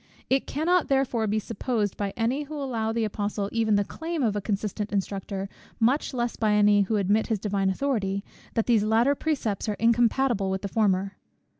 It cannot therefore be supposed by any who allow to the Apostle even the claim of a consistent instructor, much less by any who admit his Divine authority, that these latter precepts are incompatible with the former.